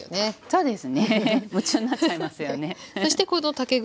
そうです。